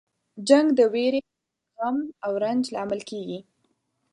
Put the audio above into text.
جنګ د ویرې، غم او رنج لامل کیږي.